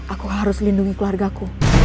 aku harus lindungi keluarga ku